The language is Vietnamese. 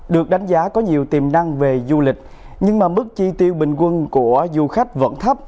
được đánh giá có nhiều tiềm năng về du lịch nhưng mà mức chi tiêu bình quân của du khách vẫn thấp